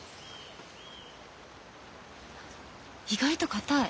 意外と硬い。